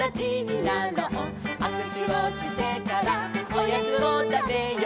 「あくしゅをしてからおやつをたべよう」